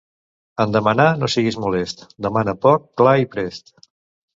En demanar no siguis molest; demana poc, clar i prest.